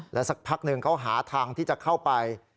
แล้วสักพักหนึ่งเขาหาทางที่จะเข้าไป